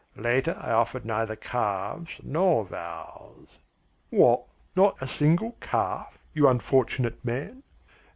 Later I offered neither calves nor vows." "What, not a single calf, you unfortunate man?"